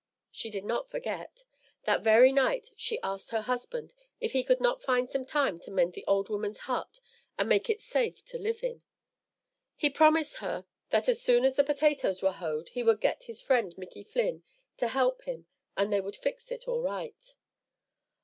She did not forget. That very night she asked her husband if he could not find time to mend the old woman's hut and make it safe to live in. He promised her that as soon as the potatoes were hoed he would get his friend Mickey Flynn to help him and they would fix it all right.